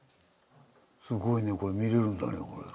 すごいねこれ見れるんだねこれ。